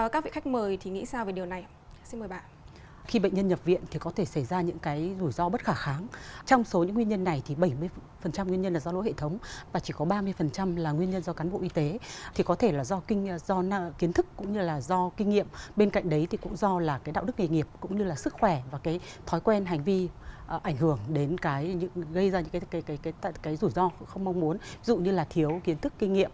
các vị khách mời thì nghĩ sao về điều này